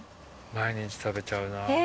毎日食べちゃうな。